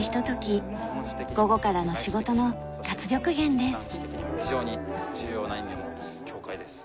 午後からの仕事の活力源です。